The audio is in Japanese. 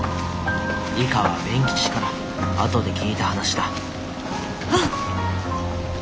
以下は勉吉から後で聞いた話だあっ。